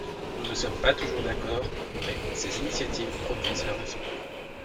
Nous ne sommes pas toujours d’accord, mais, ses initiatives produisent leurs effets.